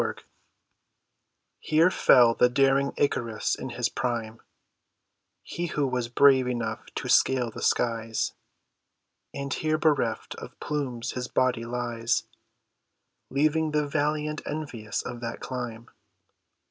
ICARUS Here fell the daring Icarus in his prime, He who was brave enough to scale the skies; And here bereft of plumes his body lies, Leaving the valiant envious of that climb.